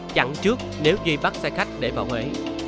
chẳng trước nếu duy bắt xe khách để vào huế